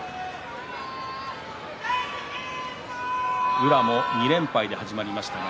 宇良も２連敗で始まりました。